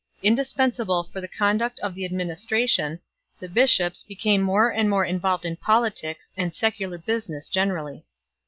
Indispensable for the conduct of the administration, the bishops became more and more involved in politics, and secular business gene rally.